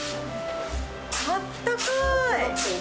あったかい。